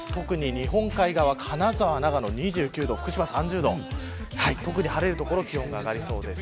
日本海側、金沢、長野２９度福島３０度晴れる所は特に気温が上がりそうです。